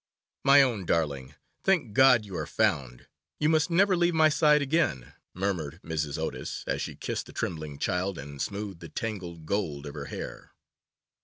'My own darling, thank God you are found; you must never leave my side again,' murmured Mrs. Otis, as she kissed the trembling child, and smoothed the tangled gold of her hair.